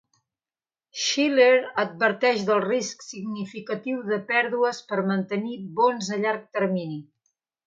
Shiller adverteix del risc significatiu de pèrdues per mantenir bons a llarg termini.